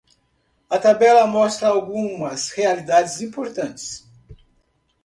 A tabela mostra algumas realidades importantes.